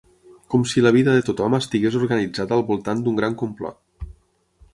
Com si la vida de tothom estigués organitzada al voltant d'un gran complot.